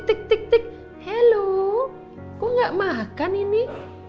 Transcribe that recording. tik tik tik hello kok gak makan ini